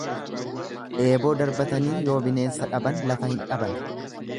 Eeboo darbatanii yoo bineensa dhaban lafa hin dhaban.